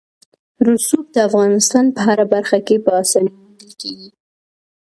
رسوب د افغانستان په هره برخه کې په اسانۍ موندل کېږي.